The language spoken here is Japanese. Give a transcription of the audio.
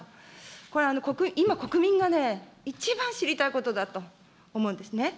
これ、今、国民がね、いちばん知りたいことだと思うんですね。